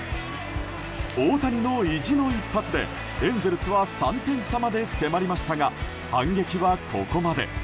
大谷の意地の一発でエンゼルスは３点差まで迫りましたが、反撃はここまで。